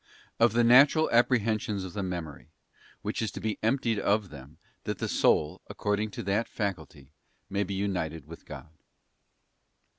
Of the Natural Apprehensions of the Memory: which is to be emptied of them, that the soul, according to that faculty, may be united with God.